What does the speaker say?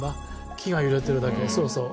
木が揺れてるだけそうそう。